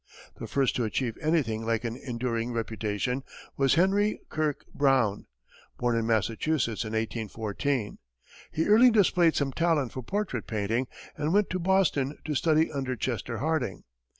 The first to achieve anything like an enduring reputation was Henry Kirke Brown, born in Massachusetts in 1814. He early displayed some talent for portrait painting, and went to Boston to study under Chester Harding.